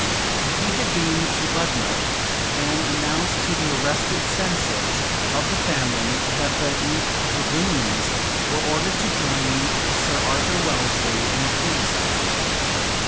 He had been to Budmouth, and announced to the arrested senses of the family that the th Dragoons were ordered to join Sir Arthur Wellesley in the Peninsula.